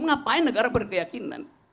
ngapain negara berkeyakinan